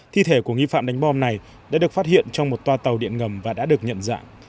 thi thể của nghi phạm đánh bom này đã được phát hiện trong một toa tàu điện ngầm và đã được nhận dạng